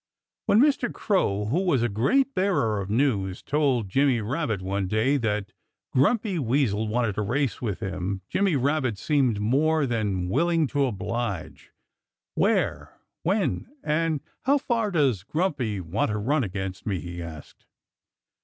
When Mr. Crow, who was a great bearer of news, told Jimmy Rabbit one day that Grumpy Weasel wanted a race with him, Jimmy Rabbit seemed more than willing to oblige. "Where, when, and how far does Grumpy want to run against me?" he asked.